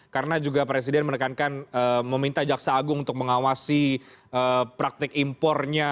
karena juga presiden menekankan meminta jaksa agung untuk mengawasi praktik impornya